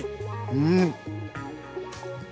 うん。